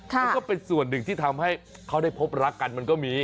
มันก็เป็นส่วนหนึ่งที่ทำให้เขาได้พบรักกันมันก็มี